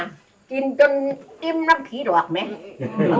กินจนริ้มน้ำพีหลอกเหหมั้ย